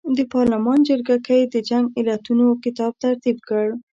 د پارلمان جرګه ګۍ د جنګ علتونو کتاب ترتیب کړ.